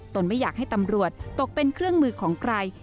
ไม่อยากให้ตำรวจตกเป็นเครื่องมือของใคร